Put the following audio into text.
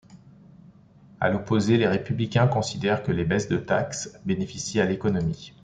À l'opposé, les Républicains considèrent que les baisses de taxes bénéficient à l'économie.